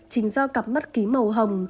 chính do cặp mắt kính màu hồng